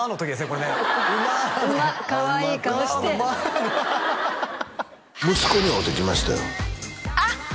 これね「ウマ」の「ウマ」かわいい顔して息子に会うてきましたよあっ！